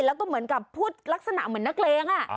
แล้วก็เหมือนกับพูดลักษณะเหมือนนักเลง